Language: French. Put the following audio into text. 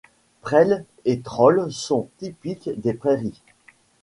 Prêles et trolles sont typiques des prairies.